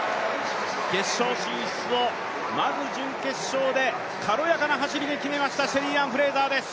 決勝進出をまず準決勝で軽やかな走りで決めました、シェリーアン・フレイザーです。